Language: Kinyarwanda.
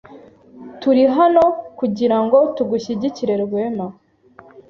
Turi hano kugirango tugushyigikire, Rwema.